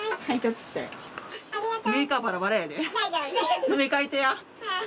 詰め替えてや。